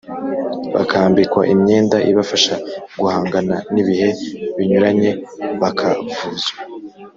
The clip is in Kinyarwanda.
bakambikwa imyenda ibafasha guhangana n'ibihe binyuranye, bakavuzwa